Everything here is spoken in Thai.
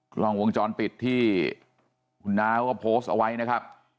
กล้องวงจรปิดที่คุณน้าก็โพสต์เอาไว้นะครับ